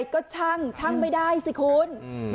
พี่แกบอกว่าคุณผู้ชมไปดูคลิปนี้กันหน่อยนะฮะ